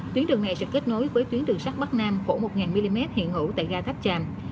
tuyến đường này sẽ kết nối với tuyến đường sắt bắc nam khổ một mm hiện hữu tại gai tháp chàm